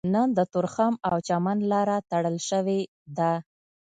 نن د تورخم او چمن لاره تړل شوې ده